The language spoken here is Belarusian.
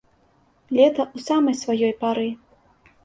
Лета ў самай сваёй пары.